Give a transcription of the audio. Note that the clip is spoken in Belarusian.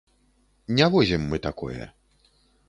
Не возім мы такое.